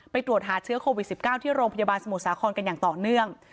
ตรวจหาเชื้อโควิด๑๙ที่โรงพยาบาลสมุทรสาครกันอย่างต่อเนื่อง